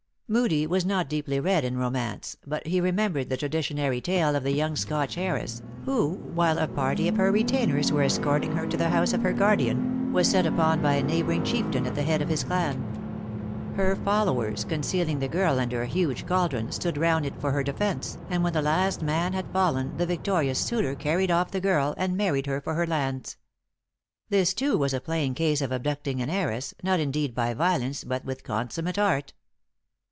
Moodie was not deeply read in romance*; but he remembered the traditionary tale of the young Scotch heiress, who, while a party of her retainers were es corting her to the house of her guardian, was set upon by a neighboring chieftain at the head of his clan. Her followers, concealing the girl under a huge caldron, stood round it for her defence, and when the last man had fallen the victorious suitor car 232 THE ACTRESS IN HIGH LIFE. ried off the girl, and married her for her lands. This, too, was a plain case of abducting an heiress, not in deed by violence, but with consummate art.